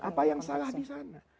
apa yang salah di sana